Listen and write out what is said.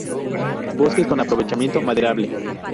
Bosques con aprovechamiento maderable.